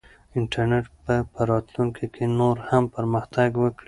انټرنیټ به په راتلونکي کې نور هم پرمختګ وکړي.